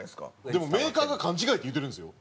でもメーカーが「勘違い」って言うてるんですよ？